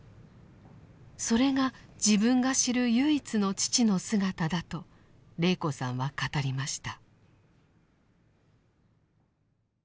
それが自分が知る唯一の父の姿だと禮子さんは語りました。